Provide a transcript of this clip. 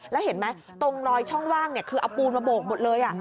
แล้วเห็นไหมตรงรอยช่องว่างคือเอาปูนมาโบกหมดเลย